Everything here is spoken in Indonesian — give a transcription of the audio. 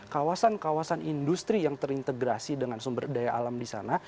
kawasan kawasan industri yang terintegrasi dengan sumber daya alam di sana